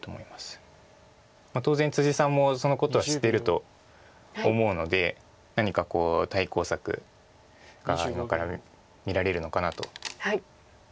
当然さんもそのことは知っていると思うので何か対抗策が今から見られるのかなと。